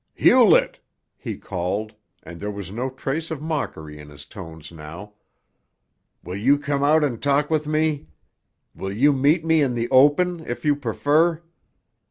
"Hewlett!" he called, and there was no trace of mockery in his tones now, "will you come out and talk with me? Will you meet me in the open, if you prefer?"